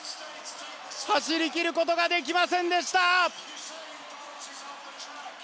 走りきることができませんでした。